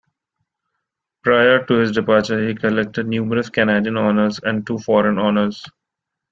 Prior to his departure he collected numerous Canadian honours and two foreign honours.